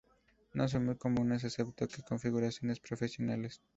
No son muy comunes excepto en configuraciones profesionales.